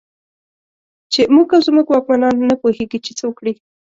چې موږ او زموږ واکمنان نه پوهېږي چې څه وکړي.